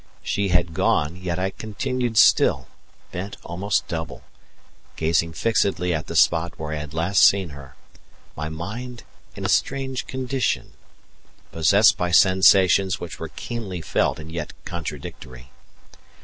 She had gone, yet I continued still, bent almost double, gazing fixedly at the spot where I had last seen her, my mind in a strange condition, possessed by sensations which were keenly felt and yet contradictory.